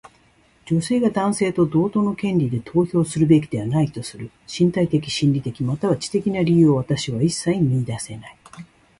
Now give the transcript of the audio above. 女性が男性と同等の権利で投票するべきではないとする身体的、心理的、または知的な理由を私は一切見いだせない。